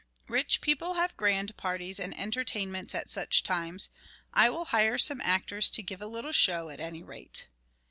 Rich people have grand parties and entertainments at such times. I will hire some actors to give a little show, at any rate."